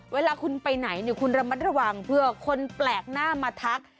เวลาคุณไปไหนคุณระมัดระวังเพื่อคนแปลกหน้ามาทัก